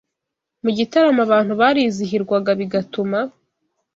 Mu gitaramo abantu barizihirwaga bigatuma